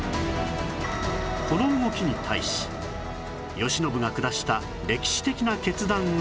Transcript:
この動きに対し慶喜が下した歴史的な決断が